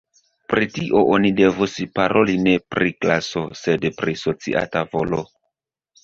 Pri tio oni devus paroli ne pri klaso, sed pri socia tavolo.